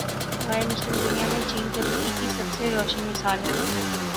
غیر مسلم دنیا میں چین ترقی کی سب سے روشن مثال ہے۔